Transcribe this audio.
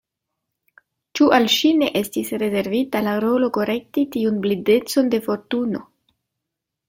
Ĉu al ŝi ne estis rezervita la rolo korekti tiun blindecon de Fortuno.